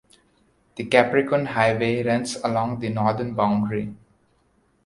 The Capricorn Highway runs along the northern boundary.